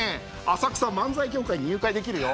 浅草漫才協会に入会できるよ。